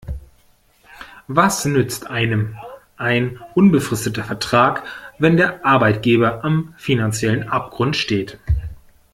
Was nützt einem ein unbefristeter Vertrag, wenn der Arbeitgeber am finanziellen Abgrund steht?